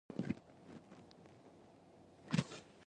د اسهال لپاره د انارو پوستکی وکاروئ